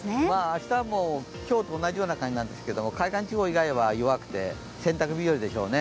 明日も、今日と同じような感じなんですけど海岸地方以外は弱くて洗濯日よりでしょうね。